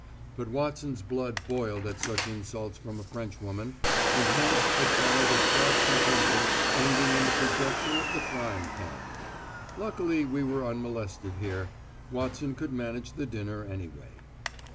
But Watson's blood boiled at such insults from a Frenchwoman, and hence had followed a sharp contention ending in the projection of the frying pan. Luckily, we were unmolested here: Watson could manage the dinner, anyway.